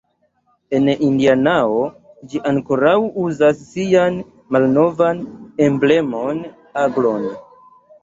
En Indianao ĝi ankoraŭ uzas sian malnovan emblemon, aglon.